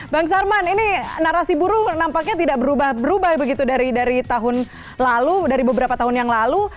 bang sarman ini narasi buruh nampaknya tidak berubah berubah begitu dari tahun lalu dari beberapa tahun yang lalu